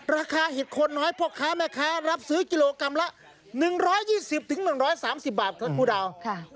เห็ดโคนน้อยพ่อค้าแม่ค้ารับซื้อกิโลกรัมละ๑๒๐๑๓๐บาทครับครูดาว